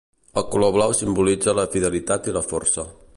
El color blau simbolitza la fidelitat i la força.